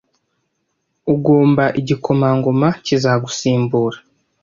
ugomba igikomangoma kizagusimbura